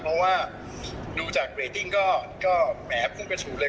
เพราะว่าดูจากเรตติ้งก็แหมพุ่งกระฉูดเลย